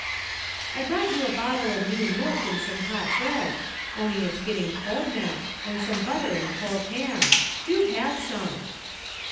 "I brought you a bottle o' new milk and some hot bread, on'y it's getting cold now, and some butter and cold ham. Do have some."